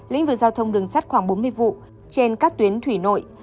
lĩnh vực giao thông đường sắt khoảng bốn mươi vụ trên các tuyến thủy nội